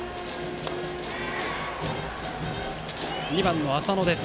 ２番、浅野です。